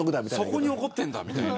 そこに怒ってるんだみたいな。